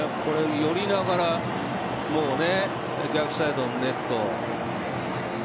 寄りながら逆サイドのネット。